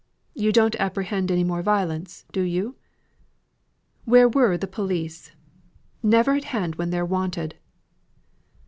You don't apprehend anymore violence, do you? Where were the police? Never at hand when they're wanted!"